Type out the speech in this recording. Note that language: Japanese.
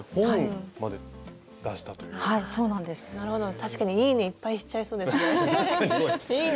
確かに「いいね！」いっぱいしちゃいそうですね。いいね！